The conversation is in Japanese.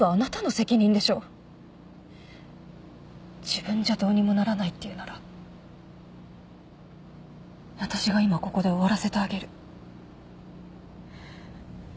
自分じゃどうにもならないって言うなら私が今ここで終わらせてあげる。